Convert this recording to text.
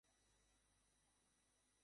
এটাই ওর বাড়ি।